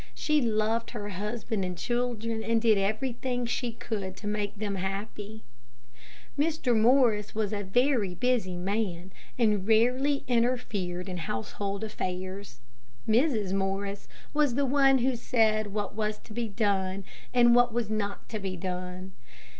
She loved her husband and children, and did everything she could to make them happy. Mr. Morris was a very busy man and rarely interfered in household affairs. Mrs. Morris was the one who said what was to be done and what was not to be done.